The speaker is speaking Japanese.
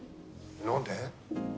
何で？